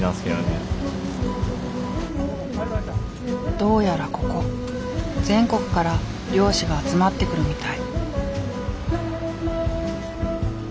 どうやらここ全国から漁師が集まってくるみたい。